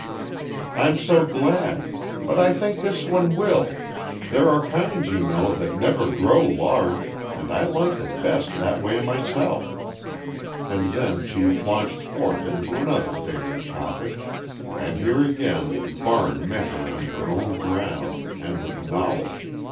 "I'm so glad. But I think this one will, there are kinds, you know, that never grow large, and I like them best that way myself." And then she launched forth into another favourite topic, and here again Varne met her on her own ground, and with knowledge.